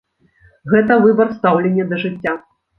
Гэта выбар стаўлення да жыцця.